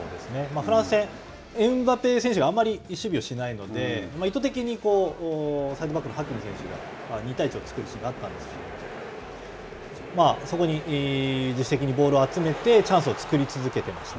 フランス戦、エムバペ選手があんまり守備をしないので、意図的にサイドバックの選手が２対１を作るシーンがあったんですけれども、そこにボールを集めてチャンスを作り続けていました。